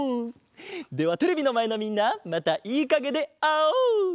ではテレビのまえのみんなまたいいかげであおう！